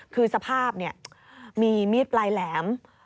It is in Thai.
คือสภาพมีมีดปลายแหลม